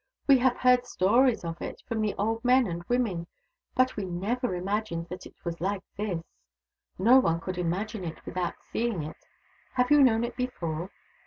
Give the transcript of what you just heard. "We have heard stories of it from the old men and women, but we never imagined that it was like this. No one could imagine it without seeing it. Have you known it before